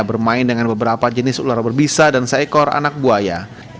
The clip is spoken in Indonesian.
bermain dengan beberapa jenis ular berbisa dan seekor anak buaya